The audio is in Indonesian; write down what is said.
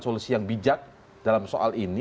solusi yang bijak dalam soal ini